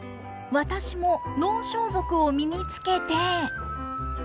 私も能装束を身に着けて。